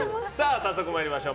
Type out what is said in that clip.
早速参りましょう。